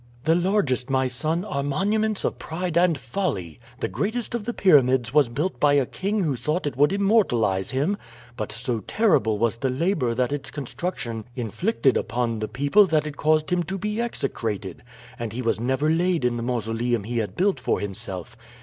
"The largest, my son, are monuments of pride and folly. The greatest of the pyramids was built by a king who thought it would immortalize him; but so terrible was the labor that its construction inflicted upon the people that it caused him to be execrated, and he was never laid in the mausoleum he had built for himself.